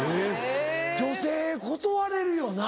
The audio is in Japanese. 女性断れるよな